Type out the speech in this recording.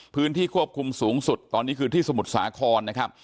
พื้นที่ควบคุมสูงสุดตอนนี้คือที่สมุทรสาครนะครับ